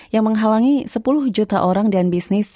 yang menghalangi sepuluh juta orang dan bisnis